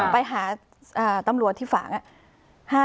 ไปหาตำรวจที่ฝัง